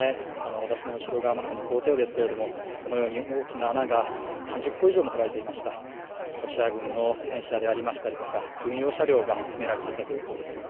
私の後ろがまさに校庭ですけれども、このように大きな穴が３０個以上も掘られていましたロシア軍の戦車でありましたりとか、軍用車両が止められていたということです。